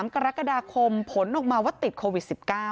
๓กรกฎาคมผลออกมาว่าติดโควิด๑๙